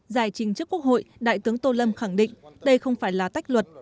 giải trình trước quốc hội đại tướng tô lâm khẳng định đây không phải là tách luật